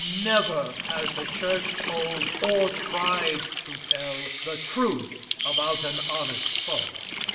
Never has the church told, or tried to tell, the truth about an honest foe.